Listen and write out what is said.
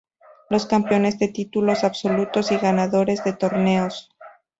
Los campeones de títulos absolutos y ganadores de torneos.